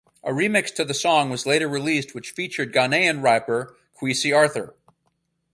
A remix to the song was later released which featured Ghanaian rapper Kwesi Arthur.